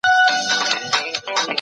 شراب پلورل تر نورو کسبونو ډیر دوام لري.